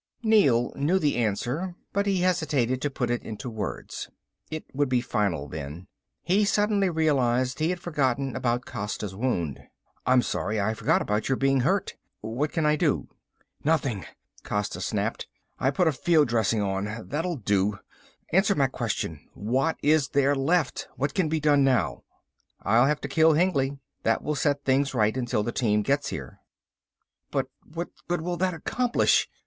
Neel knew the answer, but he hesitated to put it into words. It would be final then. He suddenly realized he had forgotten about Costa's wound. "I'm sorry ... I forgot about your being hurt. What can I do?" "Nothing," Costa snapped. "I put a field dressing on, that'll do. Answer my question. What is there left? What can be done now?" "I'll have to kill Hengly. That will set things right until the team gets here." "But what good will that accomplish?"